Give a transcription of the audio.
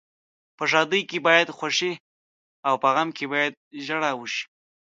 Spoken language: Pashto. په ښادۍ کې باید خوښي او په غم کې باید ژاړا وشي.